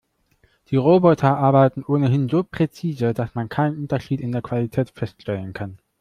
Die Roboter arbeiten ohnehin so präzise, dass man keinen Unterschied in der Qualität feststellen kann.